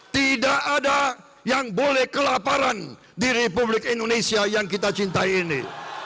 tidak ada yang boleh kelaparan di republik indonesia yang kita cintai ini